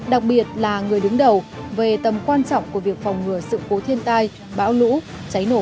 đặc biệt là người đứng đầu về tầm quan trọng của việc phòng ngừa sự cố thiên tai bão lũ cháy nổ